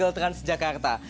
bus single transjakarta